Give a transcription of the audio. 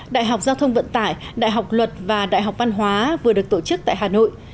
đại học giao thông vận tải đại học luật và đại học văn hóa vừa được tổ chức tại hà nội